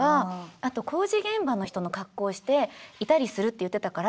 あと工事現場の人の格好していたりするって言ってたから。